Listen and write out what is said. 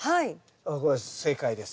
これ正解です。